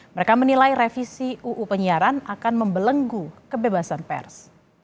mereka menilai revisi uu penyiaran akan membelenggu kebebasan pers